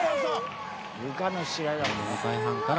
「ゆかの試合だもんね」